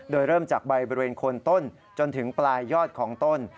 โดยเริ่มจากใบบริเวณโคนต้นจนถึงปลายยอดของต้น